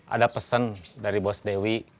ada pesan dari bos dewi